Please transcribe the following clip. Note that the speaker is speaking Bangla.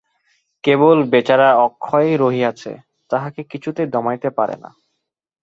কেবল বেচারা অক্ষয় রহিয়াছে, তাহাকে কিছুতেই দমাইতে পারে না।